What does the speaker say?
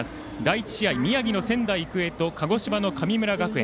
第１試合、宮城の仙台育英と鹿児島の神村学園。